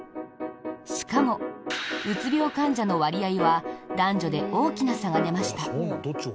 しかも、うつ病患者の割合は男女で大きな差が出ました。